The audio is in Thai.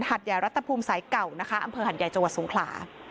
ใหญ่รัฐภูมิสายเก่านะคะอำเภอหัดใหญ่จังหวัดสงขลา